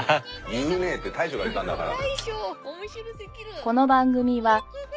「言うね」って大将が言ったんだから。